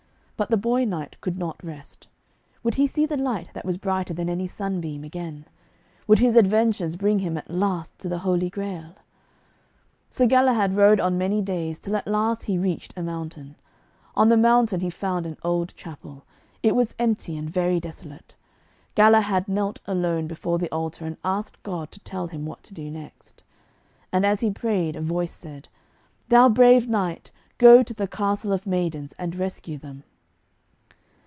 But the boy knight could not rest. Would he see the light that was brighter than any sunbeam again? Would his adventures bring him at last to the Holy Grail? Sir Galahad rode on many days, till at last he reached a mountain. On the mountain he found an old chapel. It was empty and very desolate. Galahad knelt alone before the altar, and asked God to tell him what to do next. And as he prayed a voice said, 'Thou brave knight, go to the Castle of Maidens and rescue them.'